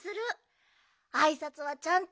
あいさつはちゃんとしよう。